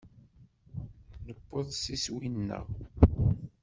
Nuweḍ s iswi-nneɣ.